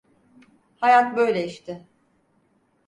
Hayat böyle işte.